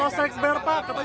ada seksber yang bersama